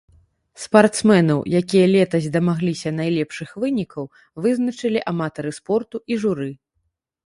Спартсменаў, якія летась дамагліся найлепшых вынікаў, вызначалі аматары спорту і журы.